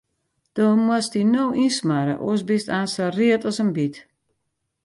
Do moatst dy no ynsmarre, oars bist aanst sa read as in byt.